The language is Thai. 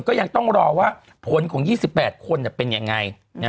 ก็ยังต้องรอว่าผลของ๒๘คนเป็นยังไง